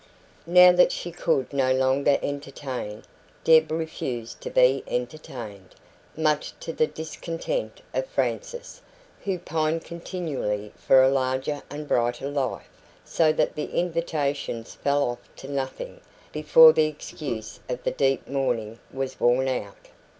Now that she could no longer entertain, Deb refused to be entertained, much to the discontent of Frances, who pined continually for a larger and brighter life, so that the invitations fell off to nothing before the excuse of the deep mourning was worn out.